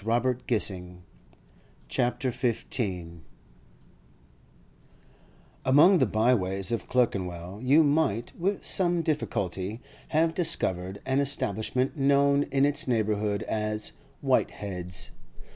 CHAPTER XV SUNLIGHT IN DREARY PLACES Among the byways of Clerkenwell you might, with some difficulty, have discovered an establishment known in its neighbourhood as 'Whitehead's.